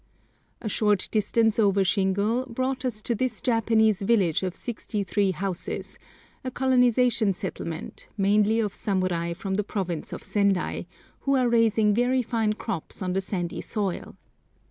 A short distance over shingle brought us to this Japanese village of sixty three houses, a colonisation settlement, mainly of samurai from the province of Sendai, who are raising very fine crops on the sandy soil.